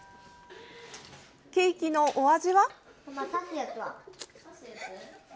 ケーキのお味は？